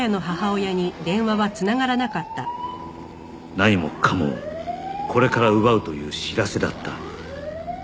何もかもをこれから奪うという知らせだった